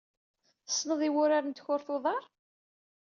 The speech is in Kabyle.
Tessned i wuṛaṛ n tcurt uḍar?